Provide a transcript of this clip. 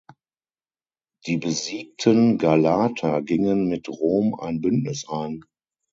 Die besiegten Galater gingen mit Rom ein Bündnis ein.